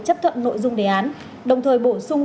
chấp thuận nội dung đề án đồng thời bổ sung